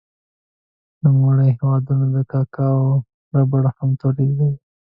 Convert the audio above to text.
نوموړی هېوادونه کاکاو او ربړ هم تولیدوي.